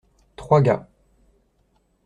Trois gars.